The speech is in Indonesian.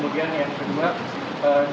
khususnya yang sudah diserahkan